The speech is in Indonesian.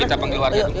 kita panggil warga dulu